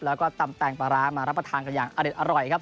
แล้วก็ตำแตงปลาร้ามารับประทานกันอย่างอเด็ดอร่อยครับ